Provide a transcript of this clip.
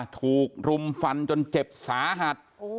ถูกรุมฟันจนเจ็บสาหัส